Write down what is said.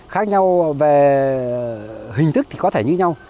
khác nhau về hình thức thì có thể như nhau